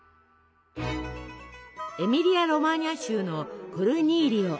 エミリア・ロマーニャ州のコルニーリオ。